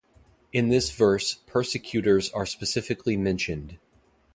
In this verse persecutors are specifically mentioned.